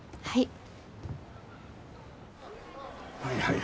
はい。